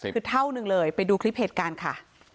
คือเท่านึงเลยไปดูคลิปเหตุการณ์ค่ะ